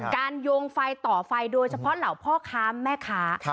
โยงไฟต่อไฟโดยเฉพาะเหล่าพ่อค้าแม่ค้า